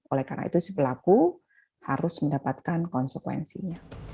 oleh karena itu si pelaku harus mendapatkan konsekuensinya